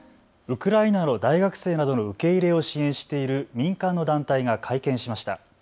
ウクライナの大学生などの受け入れを支援している民間の団体が会見しました。